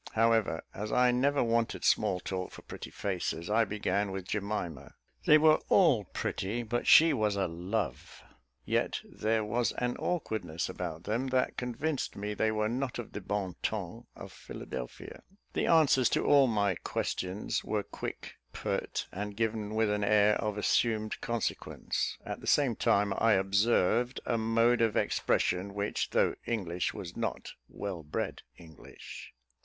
However, as I never wanted small talk for pretty faces, I began with Jemima. They were all pretty, but she was a love yet there was an awkwardness about them that convinced me they were not of the bon ton of Philadelphia. The answers to all my questions were quick, pert, and given with an air of assumed consequence; at the same time I observed a mode of expression which, though English, was not well bred English.